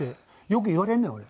よく言われんねん俺。